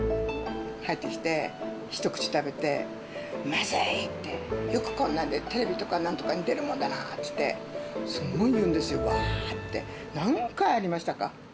入ってきて、一口食べて、まずい！ってよくこんなんでテレビとかなんとかに出るもんだなって言って、すごい言うんですよ、わーって、何回ありましたか。